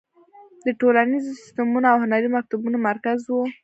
د ټولنیزو سیستمونو او هنري مکتبونو مرکز و.